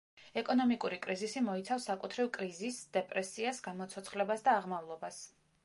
ეკონომიკური კრიზისი მოიცავს საკუთრივ კრიზისს, დეპრესიას, გამოცოცხლებას და აღმავლობას.